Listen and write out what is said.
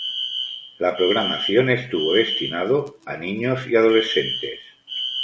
La programación estuvo destinado a niños y adolescentes.